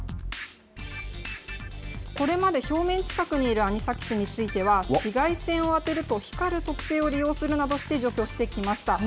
これまで表面近くにいるアニサキスについては、紫外線を当てると光る特性を利用するなどして除去してきました。